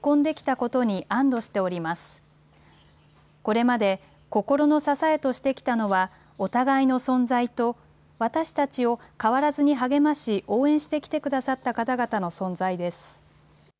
これまで、心の支えとしてきたのは、お互いの存在と、私たちを変わらずに励まし、応援してきてくださった方々の存在です。